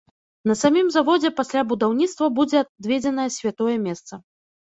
На самім заводзе пасля будаўніцтва будзе адведзенае святое месца.